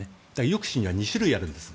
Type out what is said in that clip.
抑止には２種類あるんです。